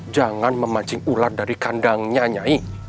jangan memancing ular dari kandangnya nyai